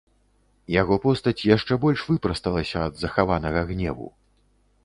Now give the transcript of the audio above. Яго постаць яшчэ больш выпрасталася ад захаванага гневу.